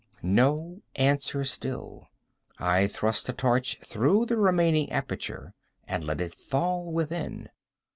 No answer still. I thrust a torch through the remaining aperture and let it fall within.